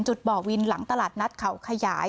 บ่อวินหลังตลาดนัดเขาขยาย